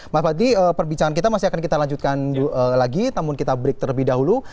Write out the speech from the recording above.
mas fadli perbincangan kita masih akan kita lanjutkan lagi namun kita break terlebih dahulu